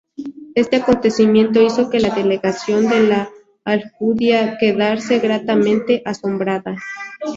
Este acontecimiento hizo que la delegación de La Alcudia quedase gratamente asombrada.